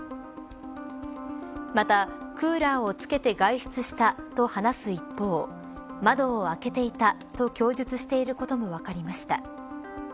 また、クーラーをつけて外出したと話す一方窓を開けていたと供述していることも分かりました。